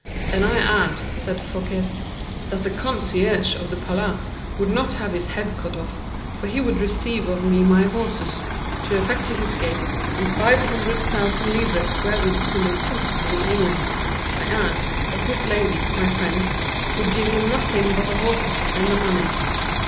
"And I add," said Fouquet, "that the concierge of the Palais would not have his head cut off, for he would receive of me my horses, to effect his escape, and five hundred thousand livres wherewith to live comfortably in England: I add, that this lady, my friend, would give him nothing but the horses and the money.